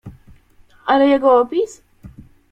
"Ale jego opis?"